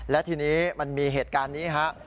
และทีนี้มันมีเหตุการณ์นี้ฮะ